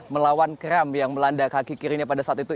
melawan kram yang melanda kaki kirinya pada saat itu